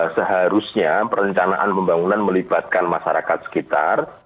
seharusnya perencanaan pembangunan melibatkan masyarakat sekitar